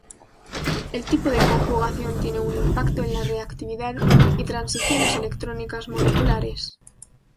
El tipo de conjugación tiene un impacto en la reactividad y transiciones electrónicas moleculares.